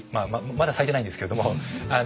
まだ咲いてないんですけれども。